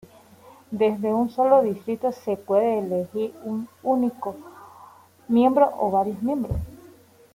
Desde un solo distrito, se puede elegir un único miembro o varios miembros.